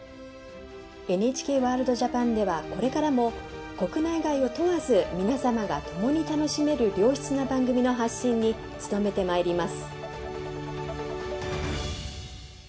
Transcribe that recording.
「ＮＨＫワールドＪＡＰＡＮ」ではこれからも国内外を問わず皆様が共に楽しめる良質な番組の発信に努めてまいります。